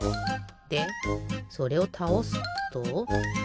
でそれをたおすと。